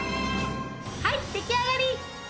はい出来上がり！